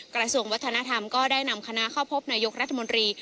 กระทรวงวัฒนธรรมก็ได้นำคณะเข้าพบนายกรัฐมนตรี